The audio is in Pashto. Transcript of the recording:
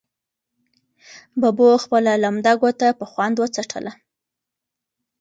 ببو خپله لمده ګوته په خوند وڅټله.